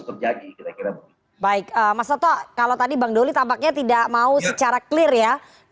terjadi kira kira baik mas toto kalau tadi bang doli tampaknya tidak mau secara clear ya